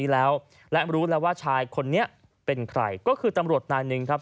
แล้วและรู้แล้วว่าชายคนนี้เป็นใครก็คือตำรวจนายหนึ่งครับ